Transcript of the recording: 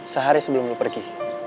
sehari sebelum lu pergi